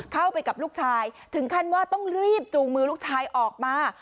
เข้าไปกับลูกชายถึงขั้นว่าต้องรีบจูงมือลูกชายออกมา